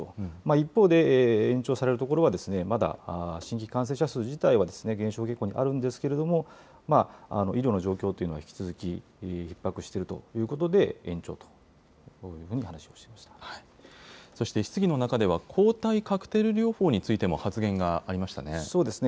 一方で、延長されるところは、まだ新規感染者数自体は減少傾向にあるんですけれども、医療の状況というのは引き続きひっ迫しているということで、延長そして、質疑の中では、抗体カクテル療法についても発言がありましたね。